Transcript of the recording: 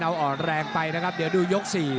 เป็นแผลแรงไปนะครับเดี๋ยวดูยก๔